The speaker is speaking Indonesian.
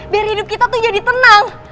biar hidup kita tuh jadi tenang